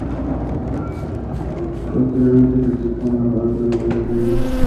Posteriormente ejerció como Embajador de Uruguay en Bolivia.